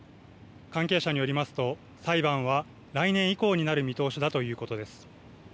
関係者によりますと裁判は来年以降になる見通しだということです。